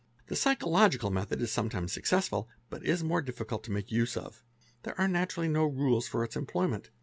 ; Hf The psychological method is sometimes successful, but is more diffi cult to make use of. There are naturally no rules for its employment.